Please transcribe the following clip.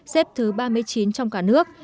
xếp thứ ba mươi chín trong cả nước